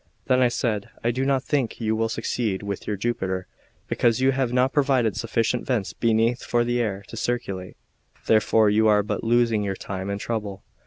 Then I said: "I do not think you will succeed with your Jupiter, because you have not provided sufficient vents beneath for the air to circulate; therefore you are but losing your time and trouble."